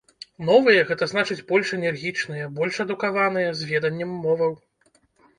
Новыя, гэта значыць больш энергічныя, больш адукаваныя, з веданнем моваў.